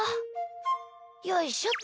よいしょっと！